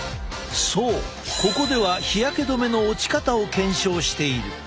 そうここでは日焼け止めの落ち方を検証している。